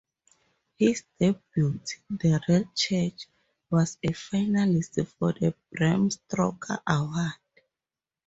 His debut, "The Red Church", was a finalist for the Bram Stoker Award.